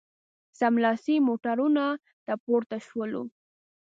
سملاسي موټرانو ته پورته شولو.